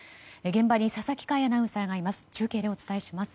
現場に佐々木快アナウンサーがいます。